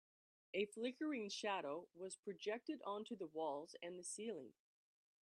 A flickering shadow was projected onto the walls and the ceiling.